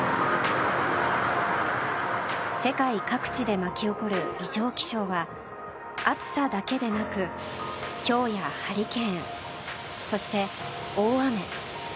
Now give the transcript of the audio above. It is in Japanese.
世界各地で巻き起こる異常気象は暑さだけでなくひょうやハリケーンそして大雨。